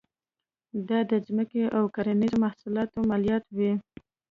دا د ځمکو او کرنیزو محصولاتو مالیات وې.